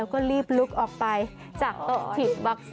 ครับ